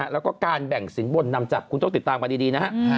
แล้วก็การแบ่งสินบนนำจากคุณเจ้าติดตามมาดีนะครับ